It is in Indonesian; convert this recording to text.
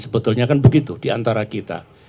sebetulnya kan begitu diantara kita